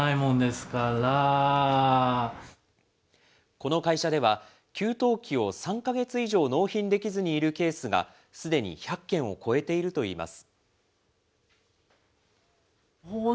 この会社では、給湯器を３か月以上納品できずにいるケースが、すでに１００件を超えているといいます。